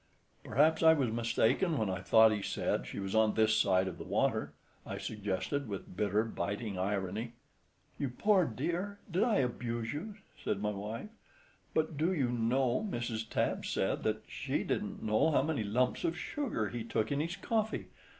"Perhaps I was mistaken when I thought he said she was on this side of the water," I suggested, with bitter, biting irony. "You poor dear, did I abuse you?" said my wife. "But, do you know, Mrs. Tabb said that she didn't know how many lumps of sugar he took in his coffee.